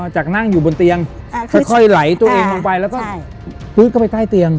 อ้ออ่อจากนั่งอยู่บนเตียง